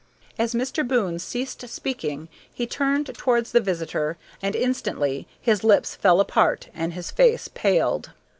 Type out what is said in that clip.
As Mr. Boon ceased speaking he turned towards the visitor, and instantly his lips fell apart and his face paled.